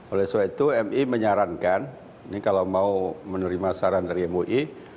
oleh sebab itu mui menyarankan ini kalau mau menerima saran dari mui